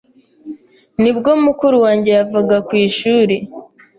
nibwo mukuru wanjye yavaga ku ishuri